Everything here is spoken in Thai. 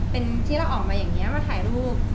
เป็นที่เราออกมาอย่างนี้มาถ่ายรูป